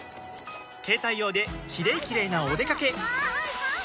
携帯用で「キレイキレイ」なおでかけ